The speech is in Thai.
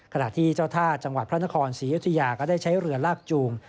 ขณะที่เจ้าท่าจังหวัดพระนครศรีอยุธยาก็ได้ใช้เรือลากจูง